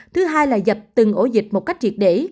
thứ hai là dập từng ổ dịch một cách triệt để